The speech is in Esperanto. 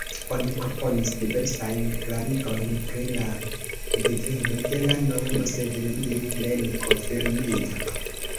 Oni proponis diversajn klarigojn pri la deveno de la nomo, sed neniu plene konfirmita.